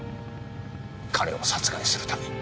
彼を殺害するために。